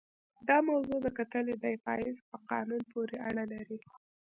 دا موضوع د کتلې د پایښت په قانون پورې اړه لري.